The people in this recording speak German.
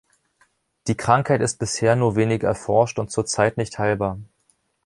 Die Krankheit ist bisher nur wenig erforscht und zurzeit nicht heilbar.